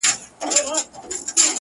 لکه باران را اورېدلې پاتېدلې به نه .